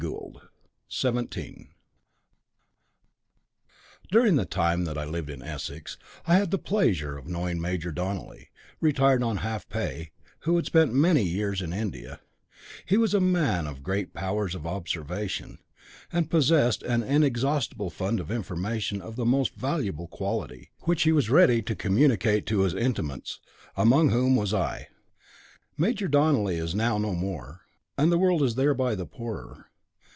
THE MEREWIGS During the time that I lived in Essex, I had the pleasure of knowing Major Donelly, retired on half pay, who had spent many years in India; he was a man of great powers of observation, and possessed an inexhaustible fund of information of the most valuable quality, which he was ready to communicate to his intimates, among whom was I. Major Donelly is now no more, and the world is thereby the poorer.